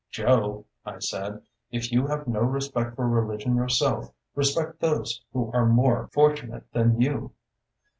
"Joe," I said, "if you have no respect for religion yourself, respect those who are more fortunate than you."